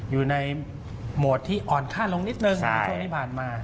อยู่ในโหมดที่อ่อนค่าลงนิดนึงในช่วงที่ผ่านมา